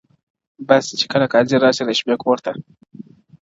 بس چي کله قاضي راسي د شپې کورته,